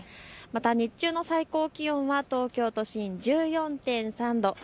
また日中の最高気温は東京都心１４．３度。